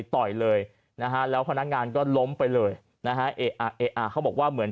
ต่อยเลยนะแล้วพนักงานก็ล้มไปเลยนะค่ะเขาบอกว่าเหมือน